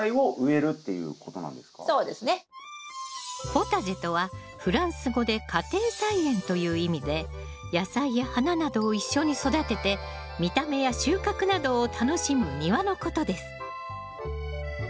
「ポタジェ」とはフランス語で「家庭菜園」という意味で野菜や花などを一緒に育てて見た目や収穫などを楽しむ庭のことです。